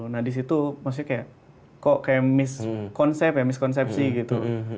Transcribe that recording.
nah di situ maksudnya kayak kok kayak miskonsep ya miskonsepsi gitu